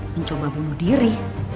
mencoba bunuh diri